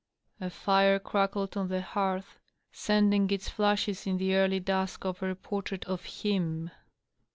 A fire crackled on the hearth, sending its flashes in the early dusk over a portrait of him.